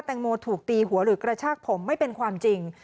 งโมถูกตีหัวหรือกระชากผมไม่เป็นความจริง